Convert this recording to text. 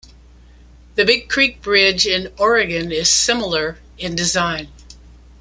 The Big Creek Bridge in Oregon is similar in design.